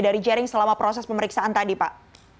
dari jering selama proses pemeriksaan tadi pak